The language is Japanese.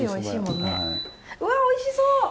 うわおいしそう！